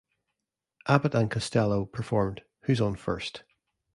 Abbott and Costello performed Who's on First?